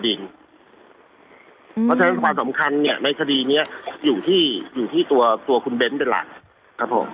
เพราะฉะนั้นความสำคัญเนี่ยในคดีนี้อยู่ที่ตัวคุณเบ้นเป็นหลักครับผม